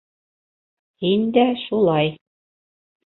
Һин дә шулай.